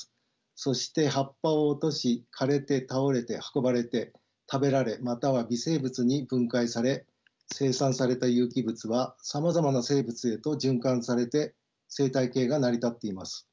そして葉っぱを落とし枯れて倒れて運ばれて食べられまたは微生物に分解され生産された有機物はさまざまな生物へと循環されて生態系が成り立っています。